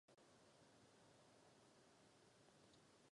Klíčem ke všemu je transparentnost.